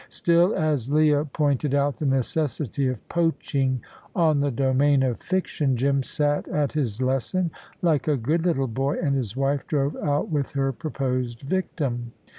Still, as Leah pointed out the necessity of poaching on the domain of fiction, Jim sat at his lesson like a good little boy, and his wife drove out with her proposed victim.